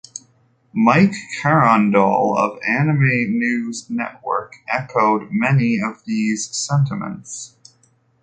Mike Crandol of Anime News Network echoed many of these sentiments.